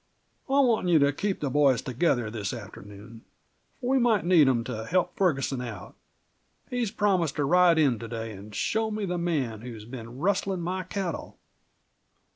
I'm wantin' you to keep the boys together this afternoon, for we might need them to help Ferguson out. He's promised to ride in to day an' show me the man who's been rustlin' my cattle."